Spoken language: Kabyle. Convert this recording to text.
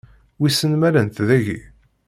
Wissen ma llant dagi?